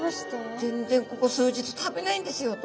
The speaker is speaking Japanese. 「全然ここ数日食べないんですよ」と。